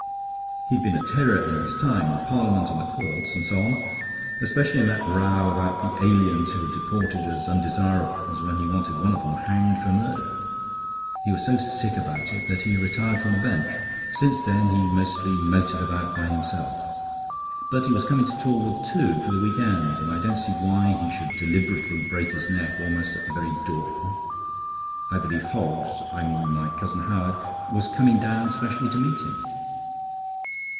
He'd been a terror in his time, in Parliament and the courts, and so on; especially in that row about the aliens who were deported as undesirables, when he wanted one of 'em hanged for murder. He was so sick about it that he retired from the bench. Since then he mostly motored about by himself; but he was coming to Torwood, too, for the week end; and I don't see why he should deliberately break his neck almost at the very door. I believe Hoggs I mean my cousin Howard was coming down specially to meet him."